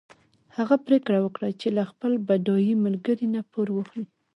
هغه پرېکړه وکړه چې له خپل بډای ملګري نه پور واخلي.